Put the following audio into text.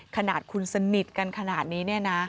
ขนาดคุณสนิทกันขนาดนี้เนี่ยนะ